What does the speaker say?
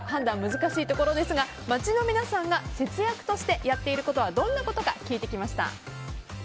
難しいところですが街の皆さんが節約としてやっていることはどんなことか聞いてきました。